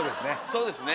そうですね。